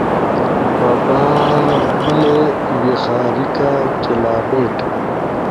بابا ملے، ویخاریکا کیلابیٹ